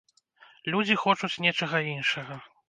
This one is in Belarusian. Людзі хочуць нечага іншага.